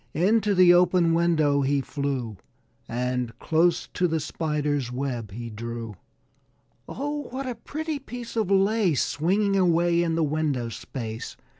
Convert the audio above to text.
Into the open window he flew And close to the Spider's web he drew. "Oh, what a pretty piece of lace Swinging away in the window space!"